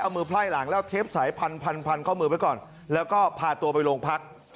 เอามือไพ่หลังแล้วเทปสายพันพันข้อมือไว้ก่อนแล้วก็พาตัวไปโรงพัก